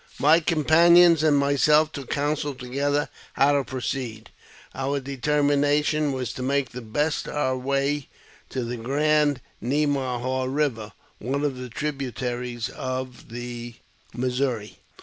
MY companion and myself took counsel together how to proceed. Our determination was to make the best of our way to the Grand Ne mah haw Eiver, one of the tributaries of the Missouri.